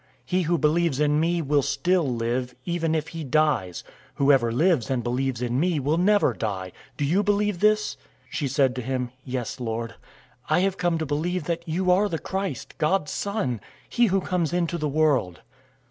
He who believes in me will still live, even if he dies. 011:026 Whoever lives and believes in me will never die. Do you believe this?" 011:027 She said to him, "Yes, Lord. I have come to believe that you are the Christ, God's Son, he who comes into the world."